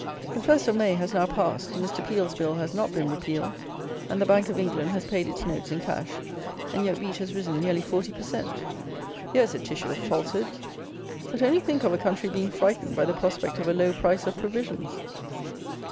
The 1st of May has now passed, Mr. Peel's Bill has not been repealed, and the Bank of England has paid its notes in cash, and yet wheat has risen nearly 40 per cent." Here is a tissue of falsehoods! But only think of a country being "frightened" by the prospect of a low price of provisions!